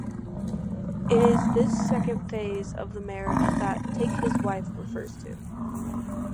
It is this second phase of the marriage that "take his wife" refers to.